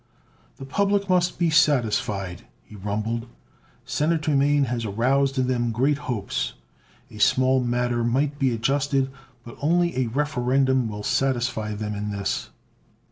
"The public must be satisfied," he rumbled. "Senator Mane has aroused in them great hopes. A small matter might be adjusted, but only a Referendum will satisfy them in this."